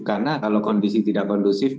karena kalau kondisi tidak kondusif